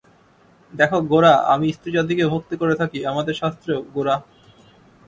দেখো গোরা, আমি স্ত্রীজাতিকে ভক্তি করে থাকি–আমাদের শাস্ত্রেও– গোরা।